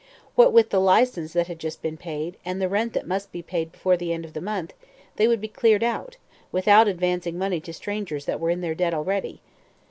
What with the licence that had just been paid, and the rent that must be paid before the end of the month, they would be cleared out, without advancing money to strangers that were in their debt already.